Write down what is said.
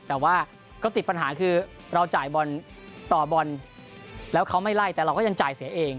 แต่ว่าก็ติดปัญหาคือเราจ่ายบอลต่อบอลแล้วเขาไม่ไล่แต่เราก็ยังจ่ายเสียเอง